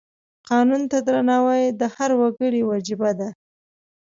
قانون ته درناوی د هر وګړي وجیبه ده.